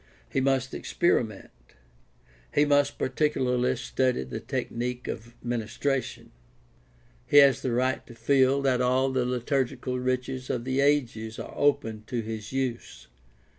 He must experiment. He must particularly study the technique of ministration. He has the right to feel that all the litur gical riches of the ages are open to his use.